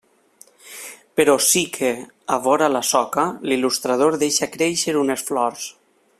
Però sí que, a vora la soca, l'il·lustrador deixa créixer unes flors.